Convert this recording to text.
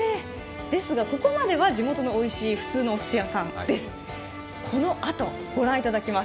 ですが、ここまでは地元の普通のおいしいお寿司屋さんです。